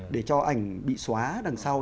để cho ảnh bị xóa đằng sau